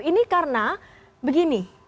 ini karena begini